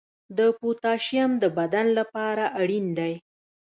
د پوتاشیم د بدن لپاره اړین دی.